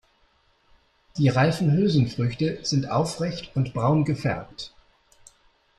Die reifen Hülsenfrüchte sind aufrecht und braun gefärbt.